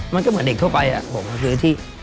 มันก็เหมือนเด็กทั่วไปคือ